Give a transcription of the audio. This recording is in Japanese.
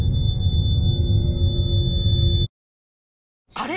あれ？